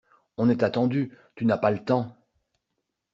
On est attendu, tu n’as pas le temps.